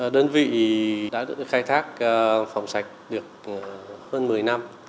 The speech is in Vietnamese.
đơn vị đã khai thác phòng sạch được hơn một mươi năm